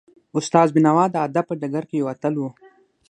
استاد بینوا د ادب په ډګر کې یو اتل و.